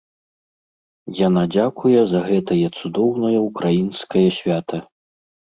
Яна дзякуе за гэтае цудоўнае ўкраінскае свята.